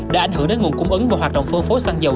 đã ảnh hưởng đến nguồn cung ứng và hoạt động phân phối xăng dầu